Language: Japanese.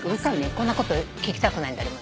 こんなこと聞きたくない誰も。